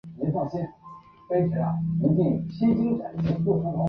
他在赫梅利尼茨基起义中积极镇压哥萨克。